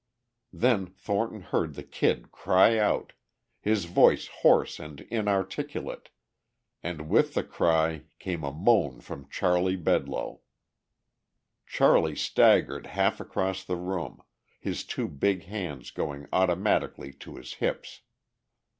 Then Thornton heard the Kid cry out, his voice hoarse and inarticulate, and with the cry came a moan from Charley Bedloe. Charley staggered half across the room, his two big hands going automatically to his hips.